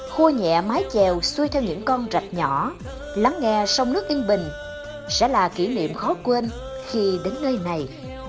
khu nhẹ mái trèo xuôi theo những con rạch nhỏ lắng nghe sông nước yên bình sẽ là kỷ niệm khó quên khi đến nơi này